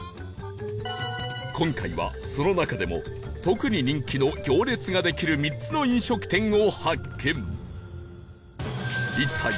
今回はその中でも特に人気の行列ができる３つの飲食店を発見